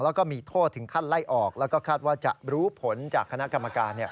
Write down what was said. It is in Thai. แล้วก็มีโทษถึงขั้นไล่ออกแล้วก็คาดว่าจะรู้ผลจากคณะกรรมการ